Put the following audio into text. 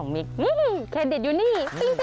อันนี้คิดว่าเครดิตยู่นี่